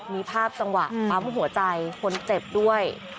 มีภาพจังหวะปั๊มหัวใจคนเจ็บด้วย